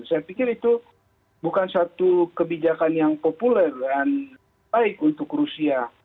saya pikir itu bukan satu kebijakan yang populer dan baik untuk rusia